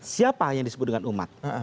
siapa yang disebut dengan umat